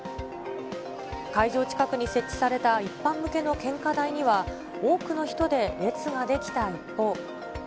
会場近くに設置された一般向けの献花台には、多くの人で列が出来た一方。